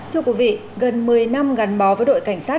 thưa quý vị gần một mươi năm gắn bó với đội cảnh sát